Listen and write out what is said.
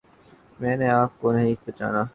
میں نے آپ کو نہیں پہچانا